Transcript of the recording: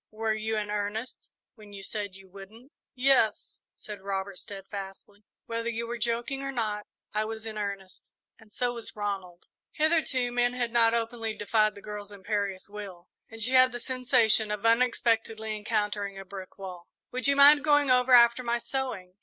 Were you in earnest when you said you wouldn't?" "Yes," said Robert, steadfastly; "whether you were joking or not, I was in earnest, and so was Ronald." Hitherto, men had not openly defied the girl's imperious will, and she had the sensation of unexpectedly encountering a brick wall. "Would you mind going over after my sewing?"